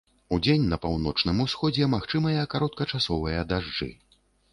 Удзень на паўночным усходзе магчымыя кароткачасовыя дажджы.